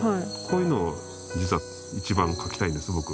こういうのを実は一番描きたいんです僕。